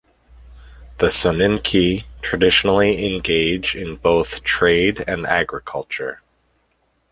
The Soninke traditionally engage in both trade and agriculture.